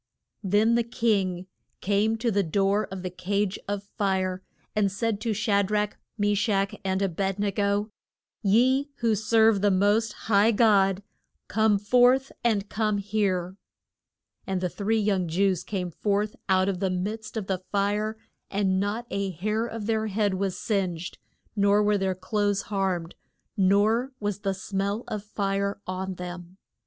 Then the king came to the door of the cage of fire and said to Sha drach, Me shach and A bed ne go, Ye who serve the most high God, come forth, and come here. [Illustration: DWELL ING WITH THE BEASTS.] And the three young Jews came forth out of the midst of the fire, and not a hair of their head was singed, nor were their clothes harmed, nor was the smell of fire on them.